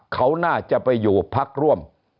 เขาน่าจะไปอยู่พักร่วม